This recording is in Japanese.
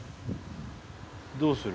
どうする？